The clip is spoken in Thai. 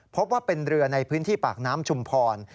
พบว่าเป็นเรือในพื้นที่ปากน้ำชุมพร